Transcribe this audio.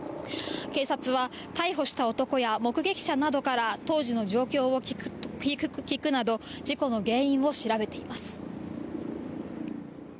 警察は逮捕された男や目撃者などから、当時の状況を聴くなど、事故の原因を調べています。